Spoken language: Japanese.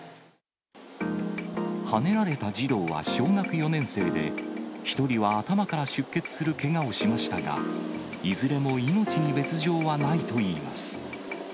はねられた児童は小学４年生で、１人は頭から出血するけがをしましたが、いずれも命に別状はないといいます。